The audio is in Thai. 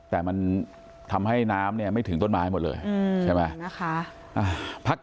แต่มันทำให้น้ำไม่ถึงต้นไม้หมดเลยใช่ไหม